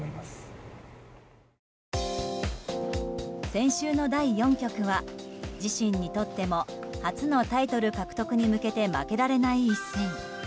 先週の第４局は自身にとっても初のタイトル獲得に向けて負けられない一戦。